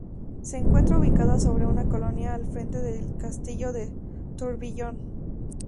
Se encuentra ubicada sobre una colina al frente del castillo de Tourbillon.